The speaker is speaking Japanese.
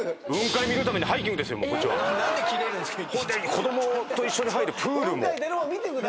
ほんで子供と一緒に入るプールも。